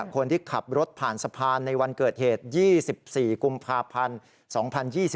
คนที่ขับรถผ่านสะพานในวันเกิดเหตุ๒๔กุมภาพันธ์๒๐๒๒